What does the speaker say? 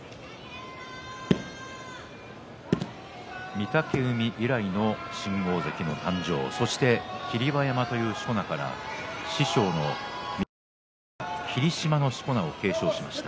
御嶽海以来の新大関誕生、そして霧馬山というしこ名から師匠の陸奥親方霧島のしこ名を継承しました。